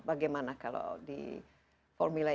bagaimana kalau di formula e